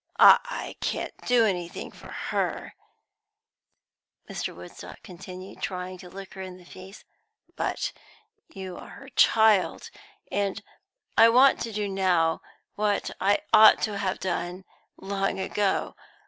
"I can't do anything for her," Mr. Woodstock continued, trying to look her in the face. "But you are her child, and I want to do now what I ought to have done long ago.